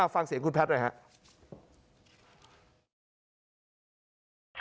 ฟังเสียงคุณแพทย์หน่อยครับ